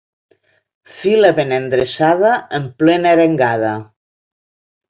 Fila ben endreçada en plena arengada.